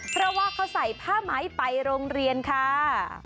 เพราะว่าเขาใส่ผ้าไหมไปโรงเรียนค่ะ